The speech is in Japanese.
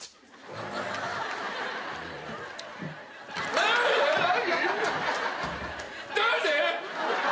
何で？